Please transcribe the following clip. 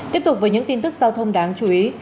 tiếp tục với những tin tức giao thông đáng chú ý